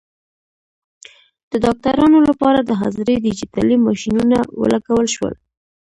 د ډاکټرانو لپاره د حاضرۍ ډیجیټلي ماشینونه ولګول شول.